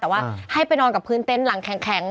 แต่ว่าให้ไปนอนกับพื้นเต็นต์หลังแข็ง